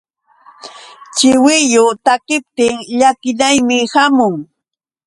Chiwillu takiptin llakinaymi hamun.